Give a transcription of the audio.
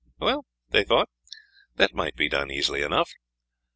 Well, they thought that might be done easily enough.